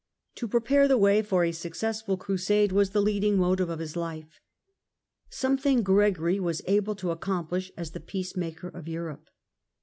To prepare the way for a successful crusade was the leading motive of his life. Something Gregory was able to accomplish as the peacemaker of Europe.